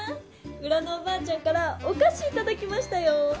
うらのおばあちゃんからおかしいただきましたよ。